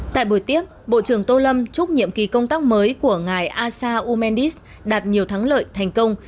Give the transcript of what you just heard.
tại buổi tiết bộ trưởng tô lâm chúc nhiệm ký công tác mới của ngài asha yu mendik đạt nhiều thắng lợi thành công